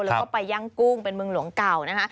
แล้วก็ไปย่างกุ้งเป็นเมืองหลวงเก่านะคะ